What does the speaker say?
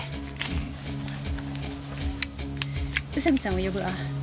宇佐見さんを呼ぶわ。